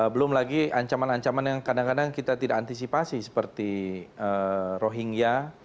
belum lagi ancaman ancaman yang kadang kadang kita tidak antisipasi seperti rohingya